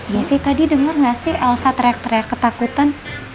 jess tadi denger gak sih elsa teriak teriak ketakutan